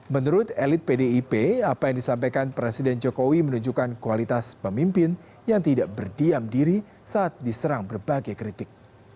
menurut elit pdip apa yang disampaikan presiden jokowi menunjukkan kualitas pemimpin yang tidak berdiam diri saat diserang berbagai kritik